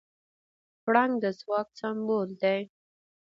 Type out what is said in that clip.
پړانګ د ځواک سمبول دی.